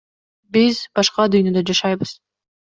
Биз башка дүйнөдө жашайбыз.